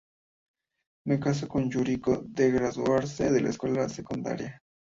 Me caso con Yuriko de graduarse de la escuela secundaria.